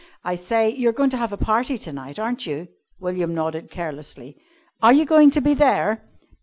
I say, you are going to have a party to night, aren't you?" William nodded carelessly. "Are you going to be there?"